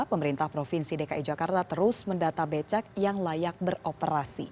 pemerintah provinsi dki jakarta terus mendata becak yang layak beroperasi